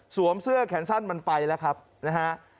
เสื้อแขนสั้นมันไปแล้วครับนะฮะ